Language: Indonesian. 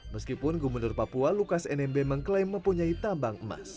meskipun gubernur papua lukas nmb mengklaim mempunyai tambang emas